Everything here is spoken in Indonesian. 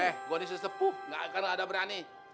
eh gue nih sesepuh gak akan ada berani